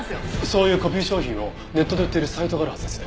そういうコピー商品をネットで売っているサイトがあるはずです。